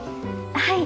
はい。